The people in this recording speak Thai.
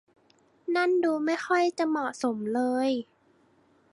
นั่นดูไม่ค่อยจะเหมาะเลย